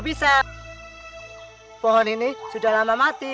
bisa pohon ini sudah lama mati